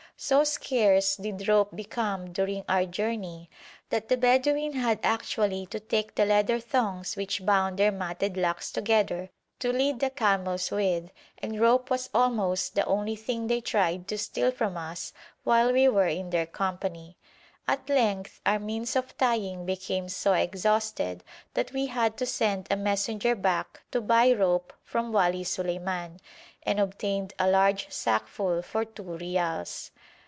So scarce did rope become during our journey, that the Bedouin had actually to take the leather thongs which bound their matted locks together, to lead the camels with, and rope was almost the only thing they tried to steal from us while we were in their company. At length our means of tying became so exhausted that we had to send a messenger back to buy rope from Wali Suleiman, and obtained a large sackful for two reals.